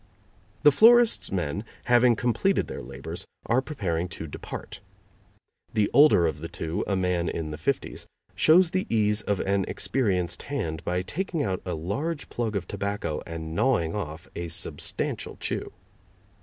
The florist's men, having completed their labors, are preparing to depart. The older of the two, a man in the fifties, shows the ease of an experienced hand by taking out a large plug of tobacco and gnawing off a substantial chew.